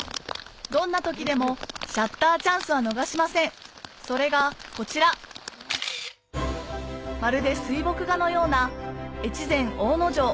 どんな時でもシャッターチャンスは逃しませんそれがこちらまるで水墨画のような越前大野城